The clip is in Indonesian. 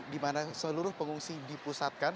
di mana seluruh pengungsi dipusatkan